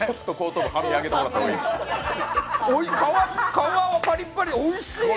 皮もパリパリ、おいしい！